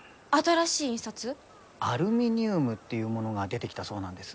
アルミニウムっていうものが出てきたそうなんです。